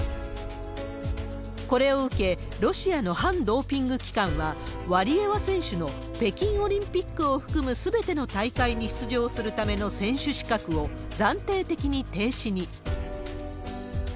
これを受け、ロシアの反ドーピング機関は、ワリエワ選手の北京オリンピックを含むすべての大会に出場するための選手資格を、暫定的に停止に。